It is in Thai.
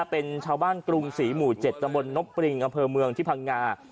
เป็นชาวบ้านกรุงศรีหมู่๗ตำบลนบปริงอำเภอเมืองที่พังงา